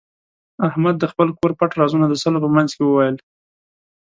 احمد د خپل کور پټ رازونه د سلو په منځ کې وویل.